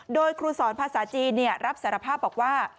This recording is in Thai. โดยครูสอนภาษาจีนรับสารภาพบอกว่า